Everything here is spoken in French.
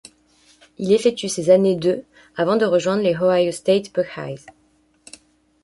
Il effectue ses années de à avant de rejoindre les Ohio State Buckeyes.